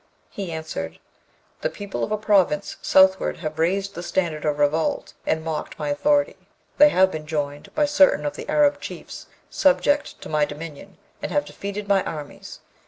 He answered, 'The people of a province southward have raised the standard of revolt and mocked my authority; they have been joined by certain of the Arab chiefs subject to my dominion, and have defeated my armies.